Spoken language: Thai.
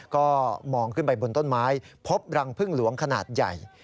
ก็มองขึ้นไปบนต้นไม้พบรังพึ่งหลวงขนาดใหญ่